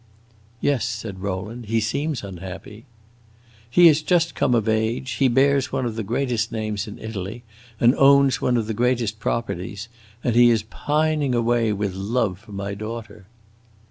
"Yes," said Rowland, "he seems unhappy." "He is just come of age, he bears one of the greatest names in Italy and owns one of the greatest properties, and he is pining away with love for my daughter."